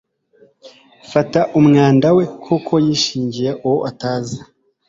Fata umwenda we kuko yishingiye uwo atazi